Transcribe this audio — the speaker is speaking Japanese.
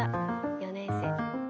４年生。